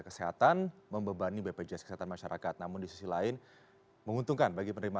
kesehatan membebani bpjs kesehatan masyarakat namun di sisi lain menguntungkan bagi penerima